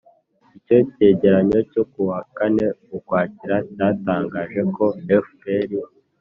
icyo cyegeranyo cyo ku wa kane ukwakira cyatangaje ko fpr